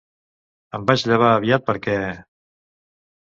Em vaig llevar aviat perqu